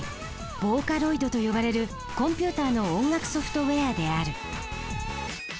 「ボーカロイド」と呼ばれるコンピューターの音楽ソフトウェアである。